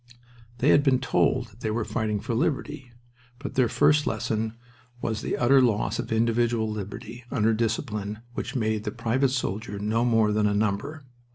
They had been told that they were fighting for liberty. But their first lesson was the utter loss of individual liberty under a discipline which made the private soldier no more than a number.